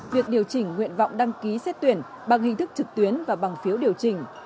việc điều chỉnh nguyện vọng đăng ký xét tuyển bằng hình thức trực tuyến và bằng phiếu điều chỉnh